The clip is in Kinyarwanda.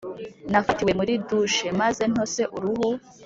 nafatiwe muri douche maze ntose uruhu.